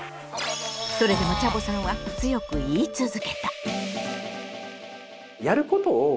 それでもチャボさんは強く言い続けた。